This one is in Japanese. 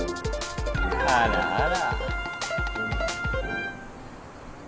あらあら。